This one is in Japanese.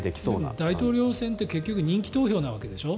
大統領選って結局人気投票なわけでしょう。